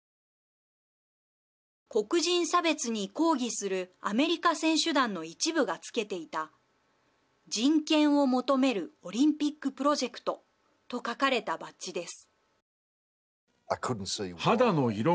黒人差別に抗議するアメリカ選手団の一部がつけていた「人権を求めるオリンピックプロジェクト」と書かれたバッジです。